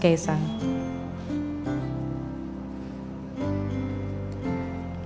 kisah yang terakhir